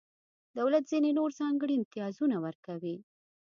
دولت ځینې نور ځانګړي امتیازونه ورکوي.